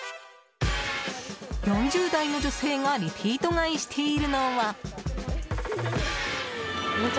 ４０代の女性がリピート買いしているのは。